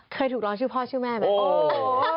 เคยถูกร้องชื่อพ่อชื่อแม่ไหม